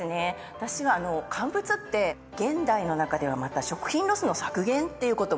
私は乾物って現代の中ではまた食品ロスの削減っていうことも言えると思うんですね。